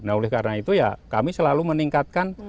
nah oleh karena itu ya kami selalu meningkatkan